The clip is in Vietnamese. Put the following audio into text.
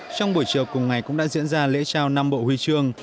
trong buổi chiều cùng ngày cũng đã diễn ra lễ trao năm bộ huy chương